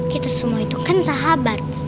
kita semua itu kan sahabat